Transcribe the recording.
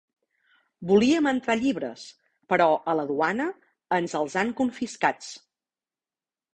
Volíem entrar llibres, però a la duana ens els han confiscats.